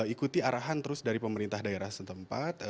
ikuti arahan terus dari pemerintah daerah setempat